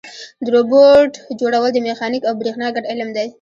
د روبوټ جوړول د میخانیک او برېښنا ګډ علم دی.